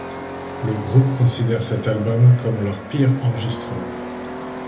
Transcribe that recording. Le groupe considère cet album comme leur pire enregistrement.